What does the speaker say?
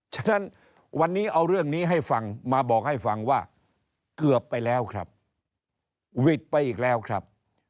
ฉะนั้นวันนี้เอาเรื่องนี้ให้ฟังมาบอกให้ฟังว่าเกือบไปแล้วครับ